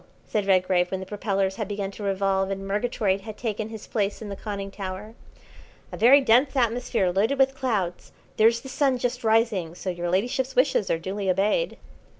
said Redgrave, when the propellers had begun to revolve and Murgatroyd had taken his place in the conning tower. "A very dense atmosphere loaded with clouds. There's the Sun just rising, so your ladyship's wishes are duly obeyed."